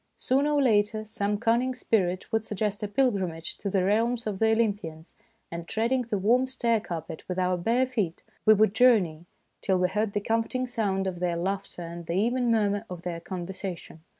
Sooner or later some cunning spirit would suggest a pilgrimage to the realms of the Olympians, and treading the warm stair carpet with our bare feet, we would journey till we heard the comforting sound of their laughter and the even murmur of their conversation.